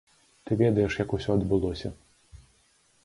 Ты ведаеш, як усё адбылося.